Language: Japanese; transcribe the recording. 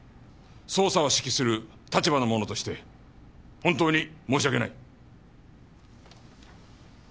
捜査を指揮する立場の者として本当に申し訳ない。